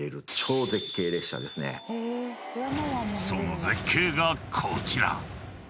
［その絶景がこちら］